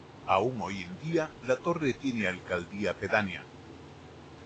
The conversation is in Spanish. Aún hoy en día, La Torre tiene alcaldía pedánea.